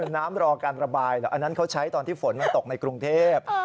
น้ำรอการระบายเหรออันนั้นเขาใช้ตอนที่ฝนมันตกในกรุงเทพ